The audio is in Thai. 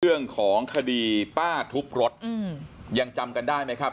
เรื่องของคดีป้าทุบรถยังจำกันได้ไหมครับ